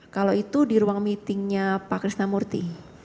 kalau itu di ruang meetingnya pak krista murti